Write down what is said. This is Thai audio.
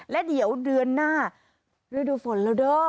และเดี๋ยวเดือนหน้าฤดูฝนแล้วเด้อ